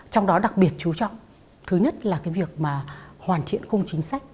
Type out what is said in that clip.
trong đó đặc biệt chú trọng thứ nhất là việc hoàn thiện khung chính sách